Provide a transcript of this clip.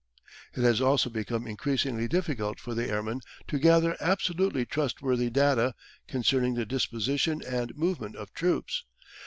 It has also become increasingly difficult for the airman to gather absolutely trustworthy data concerning the disposition and movement of troops.